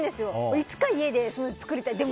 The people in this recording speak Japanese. いつか家で作りたいって。